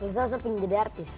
biasanya saya pengen jadi artis